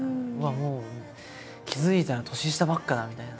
気付いたら年下ばっかだみたいな。